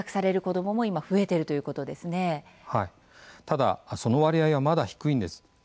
ただその割合はまだ低いんです。